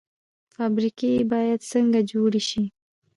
فابریکې باید څنګه جوړې شي؟